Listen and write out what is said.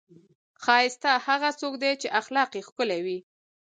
ښایسته هغه څوک دی، چې اخلاق یې ښکلي وي.